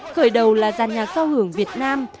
khởi đầu là giàn nhạc giao hưởng việt nam